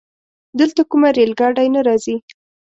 دلته کومه رايل ګاډی نه راځي؟